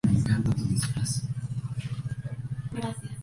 Medalla que perdió posteriormente por dopaje.